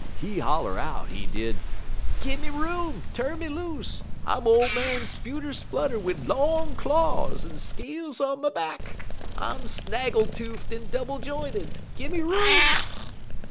He holler out, he did: "'Gimme room! Tu'n me loose! I'm ole man Spewter Splutter wid long claws, en scales on my back! I'm snaggle toofed en double j'inted! Gimme room!'